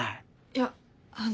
いやあの。